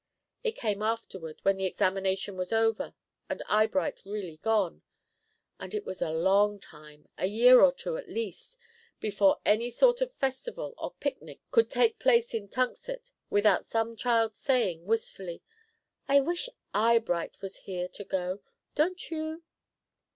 It came afterward, when the Examination was over, and Eyebright really gone; and it was a long time a year or two at least before any sort of festival or picnic could take place in Tunxet without some child's saying, wistfully: "I wish Eyebright was here to go; don't you?"